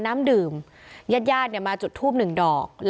ไม่เคยได้ยุ่งอะไรกับเขา